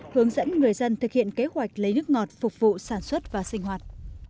hướng dẫn người dân thực hiện kế hoạch lấy nước ngọt phục vụ sản xuất và sinh hoạt